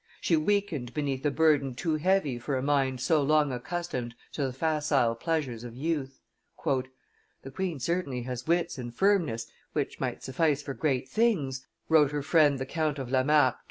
She weakened beneath a burden too heavy for a mind so long accustomed to the facile pleasures of youth. "The queen certainly has wits and firmness which might suffice for great things," wrote her friend, the Count of La Marck, to M.